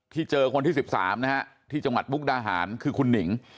เจอคนที่๑๓นะฮะที่จังหวัดมุกดาหารคือคุณหนิง